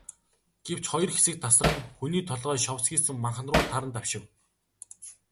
Гэвч хоёр хэсэг тасран, хүний толгой шовсхийсэн манхан руу таран давшив.